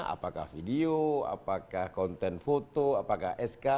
apakah video apakah konten foto apakah sk